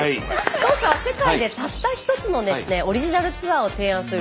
当社は世界でたった一つのですねオリジナルツアーを提案する